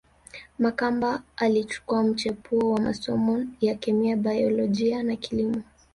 Makamba alichukua mchepuo wa masomo ya kemia baiolojia na kilimo